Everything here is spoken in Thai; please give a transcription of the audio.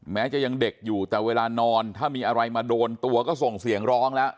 แม้จะยังเด็กอยู่แต่เวลานอนถ้ามีอะไรมาโดนตัวก็ส่งเสียงร้องแล้ว